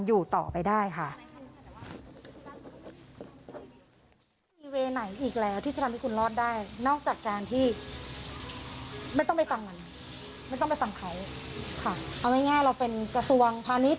อยู่ต่อไปได้ค่ะ